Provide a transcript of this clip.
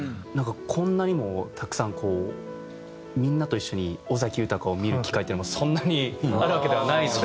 こんなにもたくさんみんなと一緒に尾崎豊を見る機会っていうのもそんなにあるわけではないので。